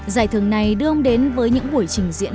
giải thưởng này đưa ông đến với những buổi trình diễn